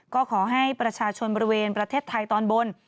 ก็ขอให้ประชาชนบริเวณประเทศไทยตอนบน